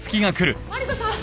マリコさん？